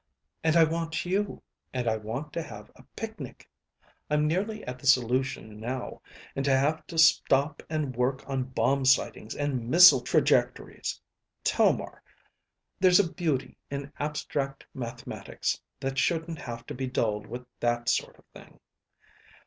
And I want you, and I want to have a picnic. I'm nearly at the solution now, and to have to stop and work on bomb sightings and missile trajectories ... Tomar, there's a beauty in abstract mathematics that shouldn't have to be dulled with that sort of thing.